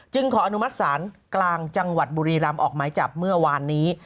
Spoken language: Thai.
ขออนุมัติศาลกลางจังหวัดบุรีรำออกไม้จับเมื่อวานนี้